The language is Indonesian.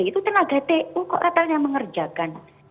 itu tenaga tu kok katanya mengerjakan